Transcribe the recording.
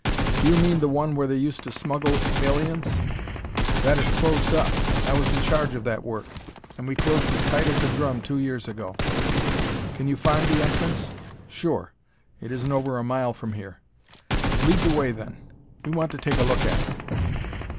"Do you mean the one where they used to smuggle aliens? That is closed up. I was in charge of that work and we closed it tight as a drum two years ago." "Can you find the entrance?" "Sure. It isn't over a mile from here." "Lead the way, then. We want to take a look at it."